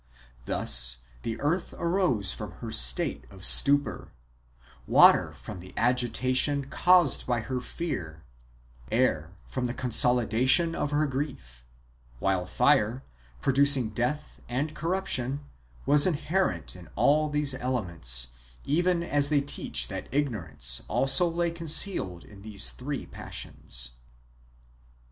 Thus the earth arose from her state of stupor ; water from the agitation caused by her fear ; air from the consoli dation of her grief ; while fire, producing death and corrup tion, was inherent in all these elements, even as they teach that ignorance also lay concealed in these three passions.